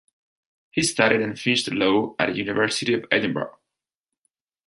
He studied and finished law at University of Edinburgh.